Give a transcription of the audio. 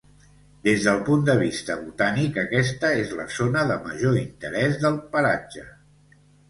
Des del punt de vista botànic aquesta és la zona de major interès del paratge.